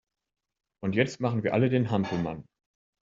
Und jetzt machen wir alle den Hampelmann!